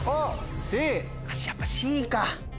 やっぱＣか。